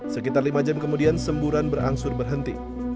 sekitar lima jam kemudian semburan berangsur berhenti